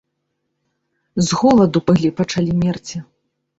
З голаду былі пачалі мерці.